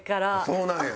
そうなんや。